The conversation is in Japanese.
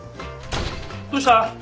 どうした？